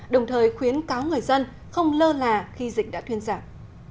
đồng thời khuyến cáo người dân không lơ là khi dịch đã thuyên giảm